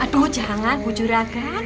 aduh jangan bu juraga